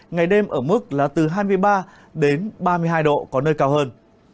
ngày đêm ở mức là từ hai mươi ba đến ba mươi hai độ có nơi cao hơn